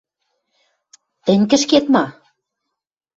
– Тӹнь кӹшкет ма?